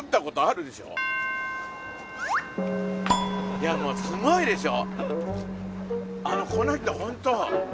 いやもうすごいでしょ。